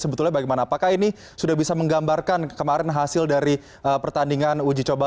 sebetulnya bagaimana apakah ini sudah bisa menggambarkan kemarin hasil dari pertandingan uji coba